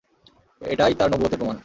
এটাই তাঁর নবুওতের প্রমাণ।